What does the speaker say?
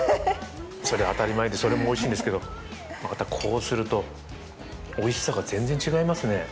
それ、当たり前でそれもおいしいんですけどまた、こうするとおいしさが全然違いますね。